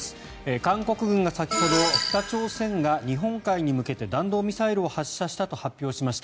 韓国軍は先ほど北朝鮮が日本海に向け弾道ミサイルを発射したと発表しました。